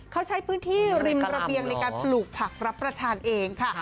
เขาใช้พื้นที่ริมระเบียงในการปลูกผักรับประทานเองค่ะ